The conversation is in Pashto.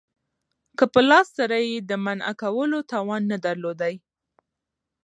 که په لاس سره ئې د منعه کولو توان نه درلودي